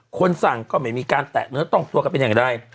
คนสั่งก็ไม่มีการแตะเนื้อต้องตัวกันเป็นอย่างใด